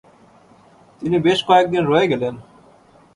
তিনি বেশ কয়েক দিন রয়ে গেলেন।